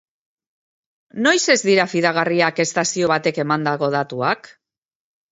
Noiz ez dira fidagarriak estazio batek emandako datuak?